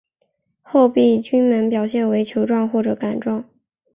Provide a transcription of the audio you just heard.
厚壁菌门表现为球状或者杆状。